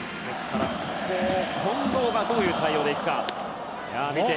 ここを近藤がどういう対応でいくか。